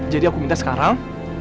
jadi aku minta sekarang